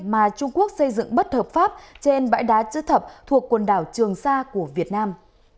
mà trung quốc xây dựng bất hợp pháp trên bãi đá chư thập thuộc quần đảo trường sa của việt nam